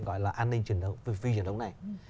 gọi là an ninh phi truyền thống này